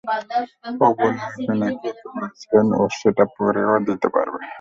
ও বলল, আপনি নাকি ওকে বলেছিলেন ও সেটা পরেও দিতে পারবে।